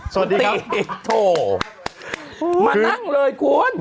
สวัสดีโถมานั่งเลยคุณ